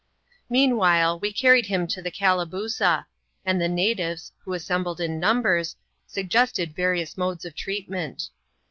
Meanwhile, we carried him into the Calabooza ; and the natives, who assembled in numbers, suggested various modes of treatment.